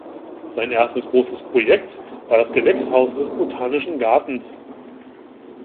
Sein erstes großes Projekt war das Gewächshaus des Botanischen Gartens.